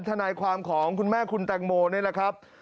ทนายความของคุณแม่คุณแตงโมนี่แหละครับ